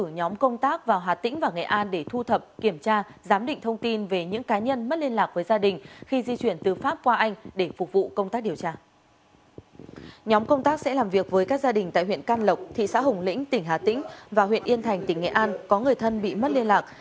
nhóm công tác sẽ làm việc với các gia đình tại huyện can lộc thị xã hồng lĩnh tỉnh hà tĩnh và huyện yên thành tỉnh nghệ an có người thân bị mất liên lạc